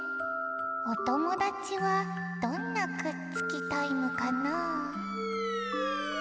おともだちはどんなくっつきタイムかなぁ？